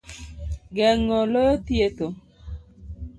Geng'o loyo thietho.